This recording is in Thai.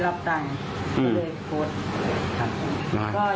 ก็เลยเห็นเขาบ่อยแล้วก็ได้รับตังค์ก็เลยโพสต์